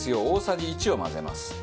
大さじ１を混ぜます。